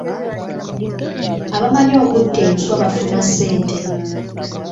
Abamanyi okutta enswa bafuna ssente.